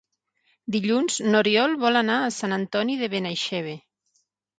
Dilluns n'Oriol vol anar a Sant Antoni de Benaixeve.